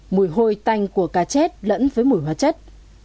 nước của cá chết lẫn với mùi hóa chất